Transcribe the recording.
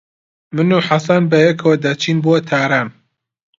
من و حەسەن بەیەکەوە دەچین بۆ تاران.